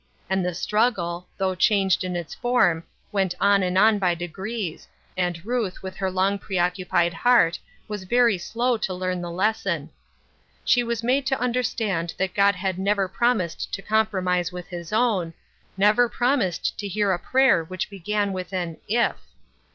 And the struggle, though changed in its form, went on and on by degrees, and Ruth with her long preoccupied heart was very slow to learn the lesson. She was made to understand that God had never promised to compromise with his own, never promised to hear a prayer which began with an "if."